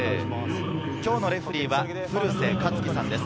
今日のレフェリーは古瀬健樹さんです。